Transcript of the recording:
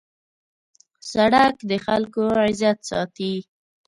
سړک د خلکو عزت ساتي.